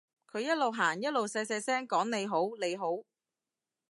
佢一路行一路細細聲講你好你好